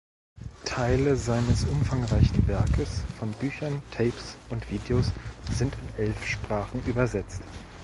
Teile seines umfangreichen Werkes von Büchern, Tapes und Videos sind in elf Sprachen übersetzt.